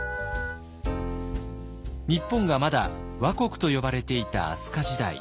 日本がまだ倭国と呼ばれていた飛鳥時代。